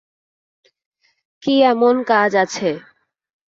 কি এমন কাজ আছে?